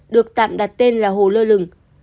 được tạm đặt tên là hồ lơ lừng